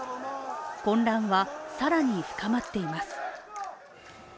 混乱は更に深まっています。